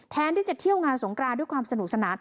ที่จะเที่ยวงานสงกรานด้วยความสนุกสนาน